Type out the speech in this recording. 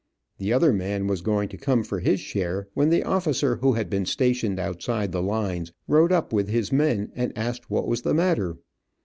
The other man was going to come for his share, when the officer who had been stationed outside the lines rode up with his men and asked what was the matter.